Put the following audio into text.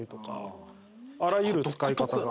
あらゆる使い方が。